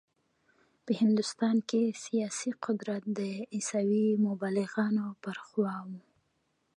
په هندوستان کې سیاسي قدرت د عیسوي مبلغانو پر خوا و.